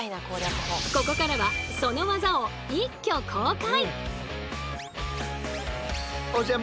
ここからはその技を一挙公開！